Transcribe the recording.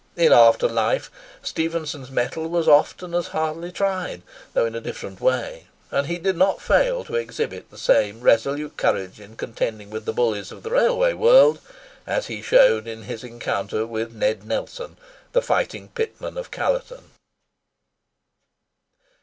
In after life, Stephenson's mettle was often as hardly tried, though in a different way; and he did not fail to exhibit the same resolute courage in contending with the bullies of the railway world, as he showed in his encounter with Ned Nelson, the fighting pitman of Callerton.